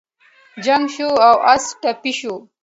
جنګ شو او اس ټپي شو.